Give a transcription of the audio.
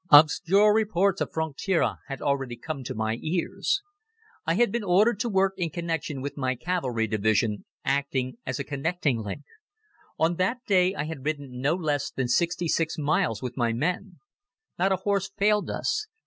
Obscure reports of francs tireurs, had already come to my ears. I had been ordered to work in connection with my cavalry division, acting as a connecting link. On that day I had ridden no less than sixty six miles with my men. Not a horse failed us.